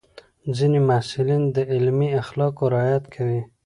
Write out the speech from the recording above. ځینې محصلین د علمي اخلاقو رعایت کوي.